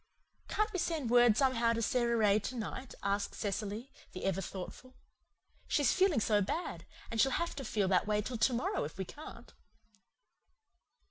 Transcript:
"Can't we send word somehow to Sara Ray to night?" asked Cecily, the ever thoughtful. "She's feeling so bad and she'll have to feel that way till to morrow if we can't."